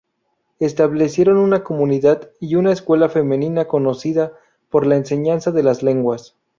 Establecieron una comunidad y una escuela femenina conocida por la enseñanza de las lenguas.